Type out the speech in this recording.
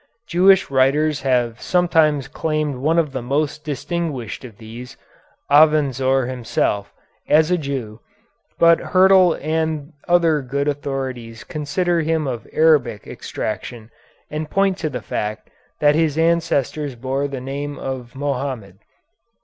Jewish writers have sometimes claimed one of the most distinguished of these, Avenzoar himself, as a Jew, but Hyrtl and other good authorities consider him of Arabic extraction and point to the fact that his ancestors bore the name of Mohammed.